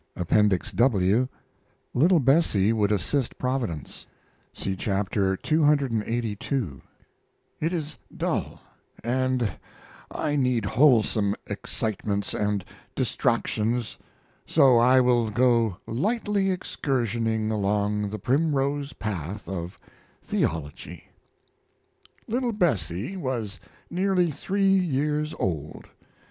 APPENDIX W LITTLE BESSIE WOULD ASSIST PROVIDENCE (See Chapter cclxxxii) [It is dull, and I need wholesome excitements and distractions; so I will go lightly excursioning along the primrose path of theology.] Little Bessie was nearly three years old.